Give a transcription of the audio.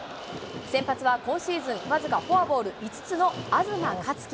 先発は今シーズン、僅かフォアボール５つの東克樹。